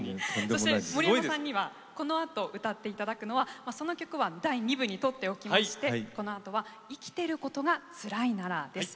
森山さんにはこの歌、歌っていただくのかその曲は第２部にとっておきましてこのあとは「生きてることが辛いなら」です。